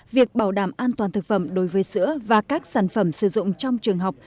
việc bảo đảm an toàn thực phẩm đối với sữa và các sản phẩm sử dụng trong trường học